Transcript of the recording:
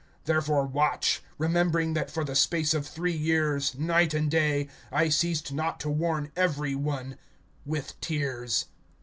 (31)Therefore watch, remembering that for the space of three years, night and day, I ceased not to warn every one with tears.